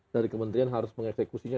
dari kementrian harus mengeksekusinya